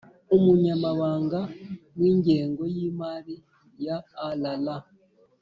umunyamabanga w ingengo y Imari ya rra